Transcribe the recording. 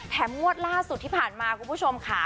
งวดล่าสุดที่ผ่านมาคุณผู้ชมค่ะ